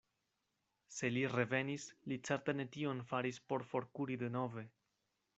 Se li revenis, li certe ne tion faris por forkuri denove.